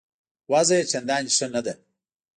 وضع یې چنداني ښه نه ده.